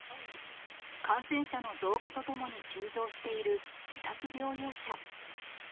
感染者の増加とともに急増している自宅療養者。